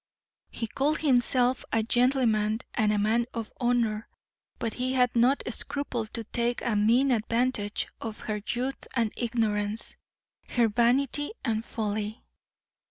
He called himself a gentleman and a man of honor, but he had not scrupled to take a mean advantage of her youth and ignorance, her vanity and folly.